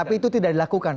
tapi itu tidak dilakukan